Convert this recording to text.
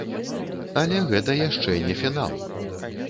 Але гэта яшчэ не фінал!